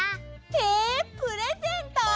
えプレゼント？